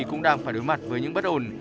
cũng đang phải đối mặt với những bất ổn